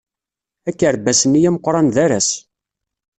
Akerbas-nni ameqran d aras.